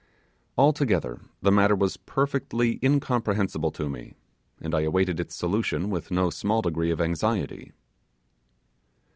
Altogether the matter was perfectly incomprehensible to me, and I awaited its solution with no small degree of anxiety.